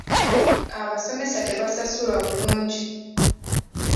Abasomesa tebasasulwa bulungi.